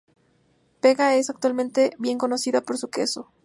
Bega es actualmente bien conocida por su queso.